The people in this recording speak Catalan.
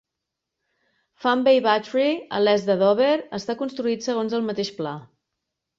Fan Bay Battery a l'est de Dover està construït segons el mateix pla.